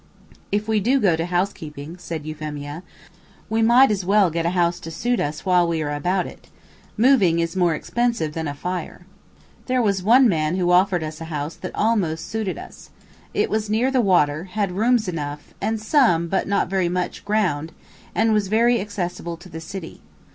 "If we do go to housekeeping," said Euphemia, "we might as well get a house to suit us while we are about it. Moving is more expensive than a fire." There was one man who offered us a house that almost suited us. It was near the water, had rooms enough, and some but not very much ground, and was very accessible to the city.